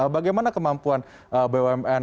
bagaimana kemampuan bumn